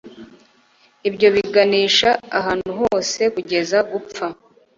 ibyo biganisha ahantu hose, kugeza gupfa